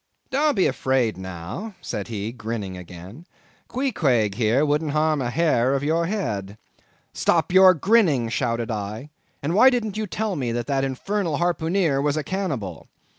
"Don't be afraid now," said he, grinning again, "Queequeg here wouldn't harm a hair of your head." "Stop your grinning," shouted I, "and why didn't you tell me that that infernal harpooneer was a cannibal?"